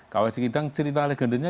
kawah sikitang cerita legendanya